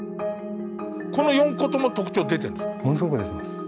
この４個とも特徴出てるんですか？